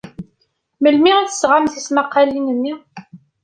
Melmi ay d-tesɣam tismaqqalin-nni?